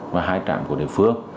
và hai trạm của địa phương